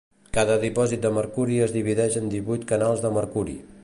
Cada dipòsit de mercuri es divideix en divuit canals de mercuri.